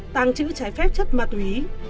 tàng trữ trái phép chất ma túy